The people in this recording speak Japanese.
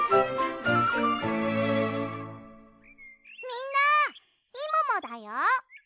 みんなみももだよ。